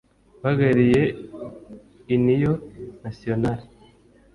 uhagarariye Union Nationale